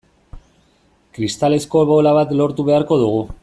Kristalezko bola bat lortu beharko dugu.